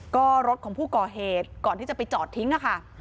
ก็รถของผู้ก่อเหตุก่อนที่จะไปจอดทิ้งนะคะ